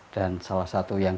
dan salah satu yang